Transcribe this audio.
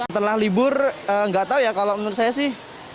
setelah libur nggak tahu ya kalau menurut saya sih